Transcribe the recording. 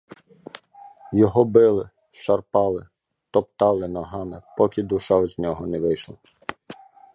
Його били, шарпали, топтали ногами, поки душа з нього не вийшла.